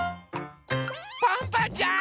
パンパンちゃん！